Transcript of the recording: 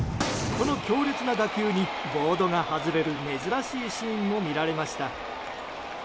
この強烈な打球にボードが外れる珍しいシーンも見られました。